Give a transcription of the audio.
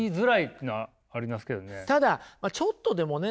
ただちょっとでもね